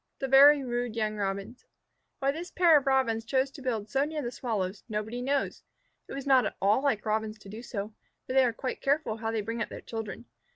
THE VERY RUDE YOUNG ROBINS Why this pair of Robins chose to build so near the Sparrows, nobody knows. It was not at all like Robins to do so, for they are quite careful how they bring up their children.